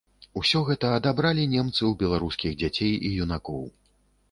Усё гэта адабралі немцы ў беларускіх дзяцей і юнакоў.